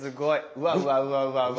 うわうわうわうわうわ。